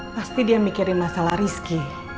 pasti dia mikirin masalah rizki